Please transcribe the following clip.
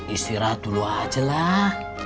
istirahat dulu aja lah